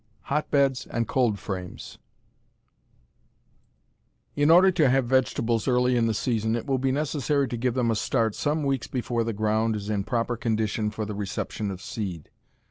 IX HOTBEDS AND COLD FRAMES In order to have vegetables early in the season it will be necessary to give them a start some weeks before the ground is in proper condition for the reception of seed.